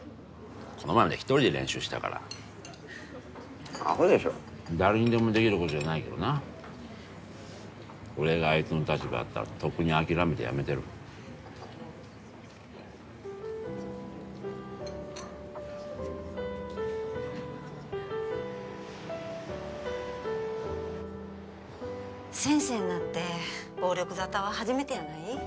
この前まで一人で練習してたからアホでしょ誰にでもできることじゃないけどな俺があいつの立場だったらとっくに諦めてやめてる先生になって暴力沙汰は初めてやない？